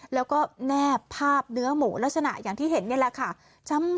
แล้วก็แนบภาพเนื้อหมูลักษณะอย่างที่เห็นนี่แหละค่ะ